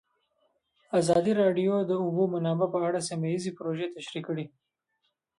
ازادي راډیو د د اوبو منابع په اړه سیمه ییزې پروژې تشریح کړې.